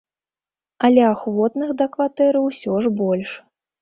Але ахвотных да кватэры ўсё ж больш.